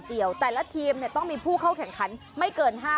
เจียวกินไว